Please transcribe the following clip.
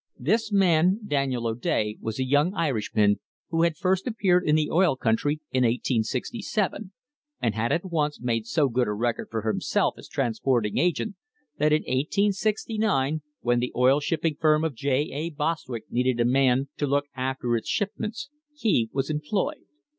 This man, Daniel O'Day, was a young Irishman who had first appeared in the oil country in 1867, and had at once made so good a record for himself as transporting agent, that in 1869, when the oil shipping firm of J. A. Bostwick needed a man to look after its shipments, he was employed.